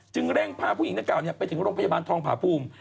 จึงแรงพาผู้หญิงดังกล่าวนี้ไปถึงโรงพยาบาลทองผ่าภูมิ